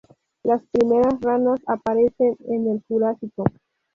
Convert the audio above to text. Las primeras ranas aparecen en el Jurásico.